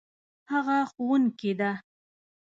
هغه ښوونکې ده